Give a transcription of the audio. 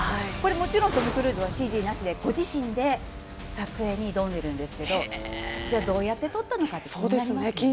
もちろんトム・クルーズがＣＧなしでご自身で撮影に挑んでるんですけどじゃあどうやって撮ったのかということですね。